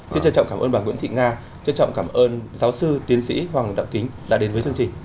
xin trân trọng cảm ơn bà nguyễn thị nga trân trọng cảm ơn giáo sư tiến sĩ hoàng đạo kính đã đến với chương trình